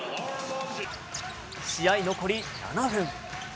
試合残り７分。